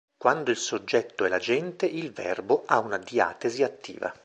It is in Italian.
Quando il soggetto è l'agente, il verbo ha una diatesi attiva.